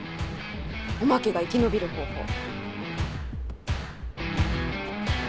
おまけが生き延びる方法。